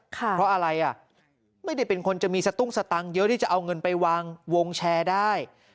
เพราะอะไรอ่ะไม่ได้เป็นคนจะมีสตุ้งสตังค์เยอะที่จะเอาเงินไปวางวงแชร์ได้